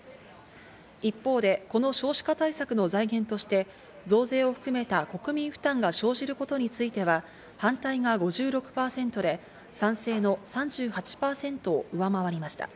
一方で、この少子化対策ので財源として増税を含めた国民負担が生じることについては、反対が５６％で、賛成の３８％を上回りました。